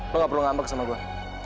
lo gak perlu ngambek sama gue